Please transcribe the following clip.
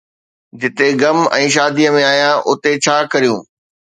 جتي غم ۽ شاديءَ ۾ آهيان، اتي ڇا ڪريون؟